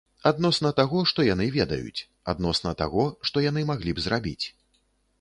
Адносна таго, што яны ведаюць, адносна таго, што яны маглі б зрабіць.